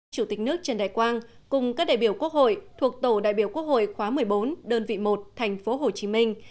chủ tịch nước trần đại quang cùng các đại biểu quốc hội thuộc tổ đại biểu quốc hội khóa một mươi bốn đơn vị một thành phố hồ chí minh